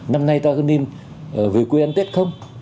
năm nay ta có nên về quê ăn tết không